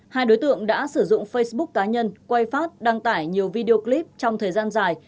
hai đối tượng đã sử dụng facebook cá nhân quay phát đăng tải nhiều video clip trong thời gian dài